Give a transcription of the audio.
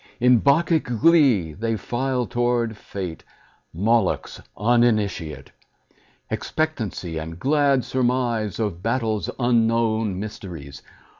In Bacchic glee they file toward Fate, Moloch's uninitiate; Expectancy, and glad surmise Of battle's unknown mysteries.